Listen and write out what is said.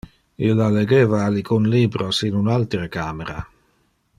Illa legeva alicun libros in un altere camera.